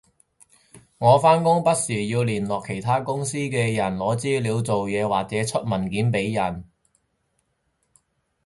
我返工不時要聯絡其他公司嘅人攞資料做嘢或者出文件畀人